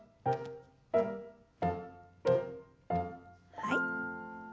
はい。